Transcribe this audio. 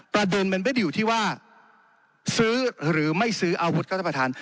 ประเด็นมันไม่ได้อยู่ที่ว่าซื้อหรือไม่ซื้ออาวุธครับท่านประธาน